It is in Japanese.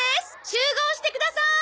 集合してください！